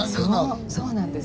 そうなんです。